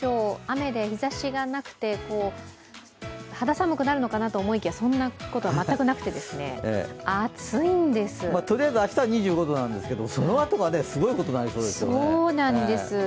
雨で日ざしがなくて、肌寒くなるのかと思いきやそんなことは全くなくてとりあえず明日は２５度なんですけどそのあとがすごいことになりそうですよね。